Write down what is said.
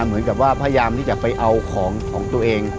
เหมือนกับว่าพยายามที่จะไปเอาของของตัวเอง